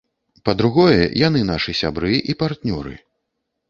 Па-другое, яны нашыя сябры і партнёры.